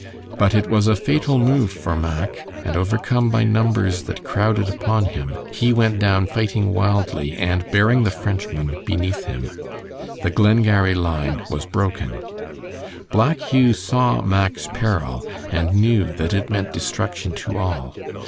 But it was a fatal move for Mack, and overcome by numbers that crowded upon him, he went down fighting wildly and bearing the Frenchman beneath him. The Glengarry line was broken. Black Hugh saw Mack's peril, and knew that it meant destruction to all.